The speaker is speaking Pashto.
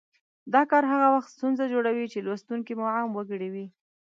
دا کار هغه وخت ستونزه جوړوي چې لوستونکي مو عام وګړي وي